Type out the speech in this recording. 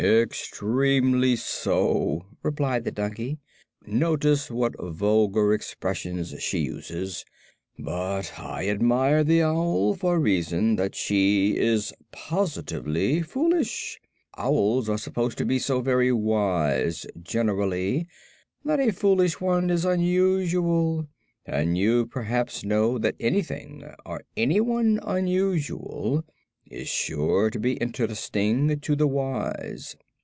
"Extremely so," replied the donkey. "Notice what vulgar expressions she uses. But I admire the owl for the reason that she is positively foolish. Owls are supposed to be so very wise, generally, that a foolish one is unusual, and you perhaps know that anything or anyone unusual is sure to be interesting to the wise."